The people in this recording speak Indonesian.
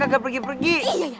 udah pergi pergi